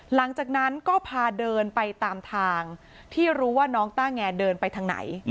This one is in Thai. หลังจากนั้นก็พาเดินไปตามทางที่รู้ว่าน้องต้าแงเดินไปทางไหน